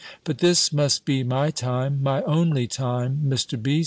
But this must be my time, my only time, Mr. B.